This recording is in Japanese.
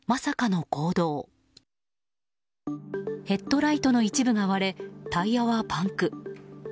ヘッドライトの一部が割れタイヤはパンク。